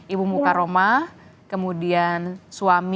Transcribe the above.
ibu mukaroma kemudian suami